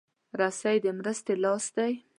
رسۍ د مرستې لاس دی.